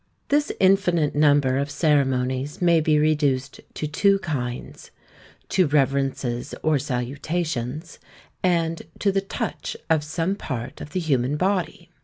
This infinite number of ceremonies may be reduced to two kinds; to reverences or salutations, and to the touch of some part of the human body.